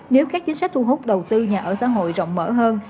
nếu các chính sách thu hút đầu tư nhà ở xã hội rộng mở hơn